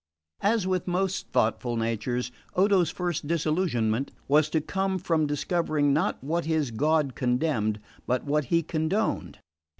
As with most thoughtful natures, Odo's first disillusionment was to come from discovering not what his God condemned, but what He condoned.